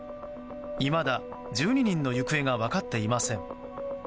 いまだ１２人の行方が分かっていません。